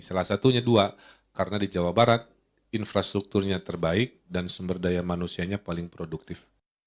salah satunya dua karena di jawa barat infrastrukturnya terbaik dan sumber daya manusianya paling produktif